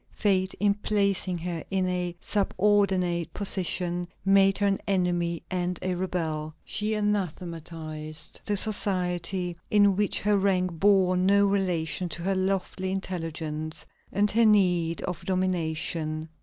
Fate, in placing her in a subordinate position, made her an enemy and a rebel. She anathematized the society in which her rank bore no relation to her lofty intelligence and her need of domination.